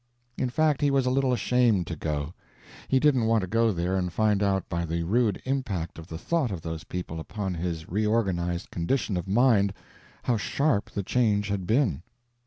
In fact he was a little ashamed to go; he didn't want to go there and find out by the rude impact of the thought of those people upon his reorganized condition of mind, how sharp the change had been.